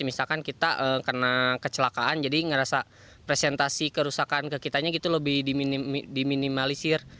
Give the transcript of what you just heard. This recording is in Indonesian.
misalkan kita kena kecelakaan jadi ngerasa presentasi kerusakan ke kitanya gitu lebih diminimalisir